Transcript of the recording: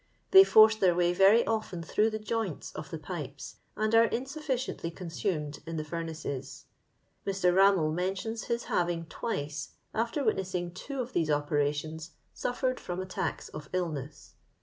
They force their way very often through the joints of the pipes, and are insufficiently consumed in the f&naces. Mr. BammeU mentions his having twice, after witnessing two of these operations, suf fered from attacks of illness.